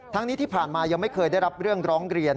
ทั้งนี้ที่ผ่านมายังไม่เคยได้รับเรื่องร้องเรียน